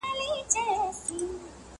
ستا او ورور تر مابین ډېره فاصله ده.